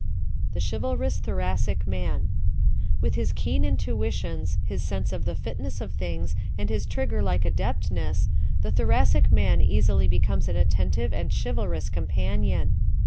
The Chivalrous Thoracic Man ¶ With his keen intuitions, his sense of the fitness of things and his trigger like adeptness, the Thoracic man easily becomes an attentive and chivalrous companion.